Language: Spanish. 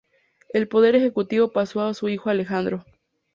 El poder ejecutivo pasó a su hijo Alejandro.